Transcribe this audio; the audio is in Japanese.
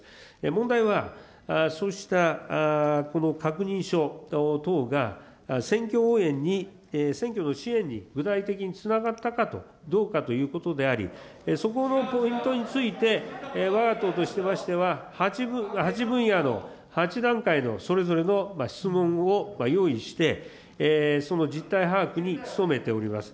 問題は、そうしたこの確認書等が選挙応援に、選挙の支援に具体的につながったかどうかということであり、そこのポイントについてわが党としましては、８分野の、８段階の、それぞれの質問を用意して、その実態把握に努めております。